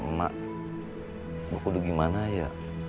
emak emak hai buku gimana ya